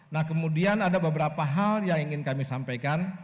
nah kemudian ada beberapa hal yang ingin kami sampaikan